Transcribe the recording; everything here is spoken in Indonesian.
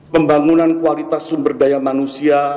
pembangunan kualitas sumber daya manusia